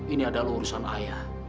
ini adalah urusan ayah